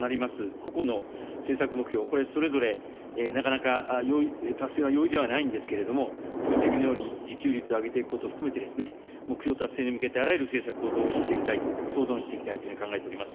個々の政策目標、これ、それぞれなかなか達成は容易ではないんですけれども、ご指摘のように自給率を上げていくことを含めて、目標達成に向けてあらゆる政策を動員していきたいと、総動員していきたいというふうに考えております。